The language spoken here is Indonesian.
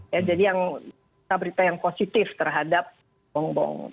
ya jadi yang berita yang positif terhadap bongbong